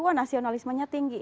wah nasionalismenya tinggi